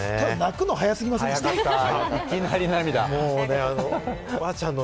でも泣くの早すぎませんでしたか？